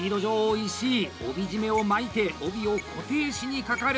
石井、帯締めを巻いて、帯を固定しにかかる！